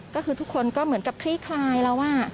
ก็คือทุกคนก็เหมือนกับคลี่คลายแล้วว่า